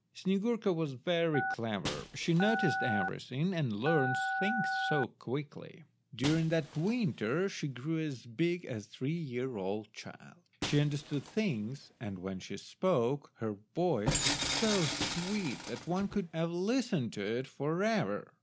Snyegurka was very clever; she noticed everything, and learnt things quickly. During that winter she grew as big as a three year old child. She understood things, and when she spoke her voice was so sweet that one could have listened to it for ever.